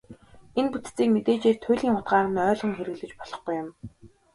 Энэ бүтцийг мэдээжээр туйлын утгаар нь ойлгон хэрэглэж болохгүй юм.